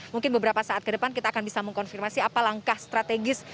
mungkin beberapa saat ke depan kita akan bisa mengkonfirmasi apa langkah strategis